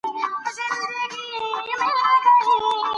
طلا د افغان کلتور په داستانونو کې راځي.